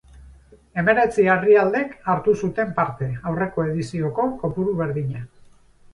Hemeretzi herrialdek hartu zuten parte, aurreko edizioko kopuru berdina.